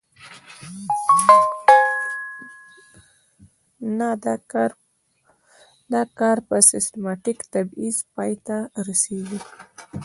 دا کار په سیستماتیک تبعیض پای ته رسیږي.